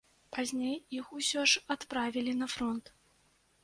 Пазней іх усё ж адправілі на фронт.